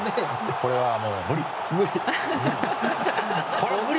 これはもう、無理！